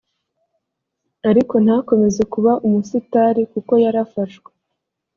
ariko ntakomeze kuba umusitari kuko yarafashwe